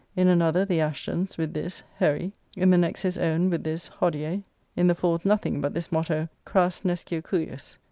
In another the Ashtons, with this, "Heri." In the next his own, with this, "Hodie." In the fourth nothing but this motto, "Cras nescio cujus."